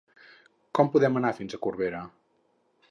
Com podem anar fins a Corbera?